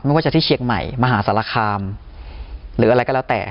ว่าจะที่เชียงใหม่มหาสารคามหรืออะไรก็แล้วแต่